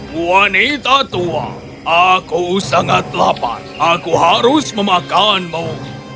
wanita tua aku sangat lapar aku harus memakanmu